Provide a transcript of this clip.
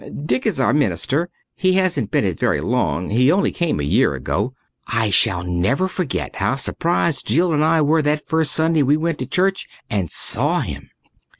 Dick is our minister. He hasn't been it very long. He only came a year ago. I shall never forget how surprised Jill and I were that first Sunday we went to church and saw him.